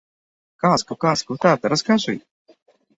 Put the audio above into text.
Казку, казку, тата, раскажы!